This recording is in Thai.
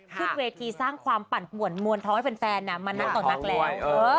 ขึ้นเวทีสร้างความปั่นป่วนมวลท้องให้แฟนมานักต่อนักแล้ว